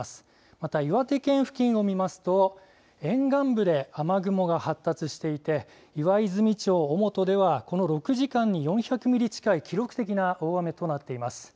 また岩手県付近を見ますと、沿岸部で雨雲が発達していて、岩泉町小本ではこの６時間に４００ミリ近い記録的な大雨となっています。